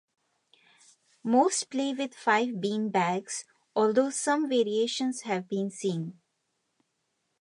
Most play with five bean bags although some variations have been seen.